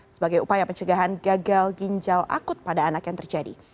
sebagai upaya pencegahan gagal ginjal akut pada anak yang terjadi